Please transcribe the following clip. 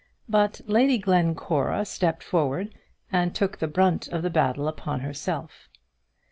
But Lady Glencora stepped forward, and took the brunt of the battle upon herself.